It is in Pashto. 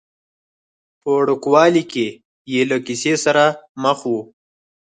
په وړوکوالي کې یې له کیسې سره مخه وه.